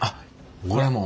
これもう。